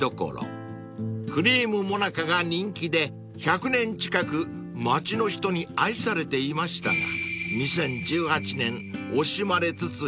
［クリームモナカが人気で１００年近く町の人に愛されていましたが２０１８年惜しまれつつ閉店］